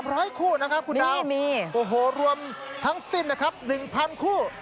โอ้โฮ๓๐๐คู่นะครับคุณดาวโอ้โฮรวมทั้งสิ้นนะครับ๑๐๐๐คู่